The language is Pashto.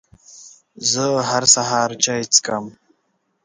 زه هر سهار چای څښم.